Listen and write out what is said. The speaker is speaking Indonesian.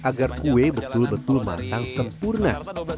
agar kue betul betul matang sempurna